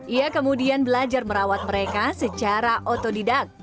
ia kemudian belajar merawat mereka secara otodidak